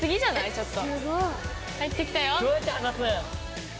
ちょっと。